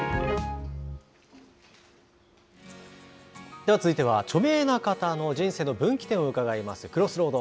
では続いては、著名な方の人生の分岐点を伺います、Ｃｒｏｓｓｒｏａｄ。